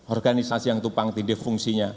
organisasi yang tupang tindih fungsi